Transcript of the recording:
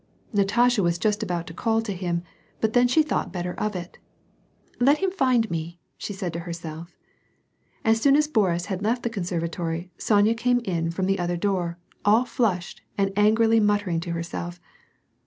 Natasha was just about to call to him, but then she thought better of it. " Let him find me," she said to herself. As soon as Boris had left the conservatory, Sonya came in from the other door, all flushed, and angrily muttering to herself.